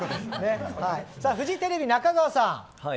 フジテレビ中川さん。